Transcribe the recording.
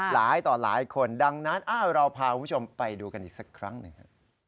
ต่อหลายคนดังนั้นเราพาคุณผู้ชมไปดูกันอีกสักครั้งหนึ่ง